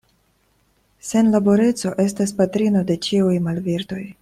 Senlaboreco estas patrino de ĉiuj malvirtoj.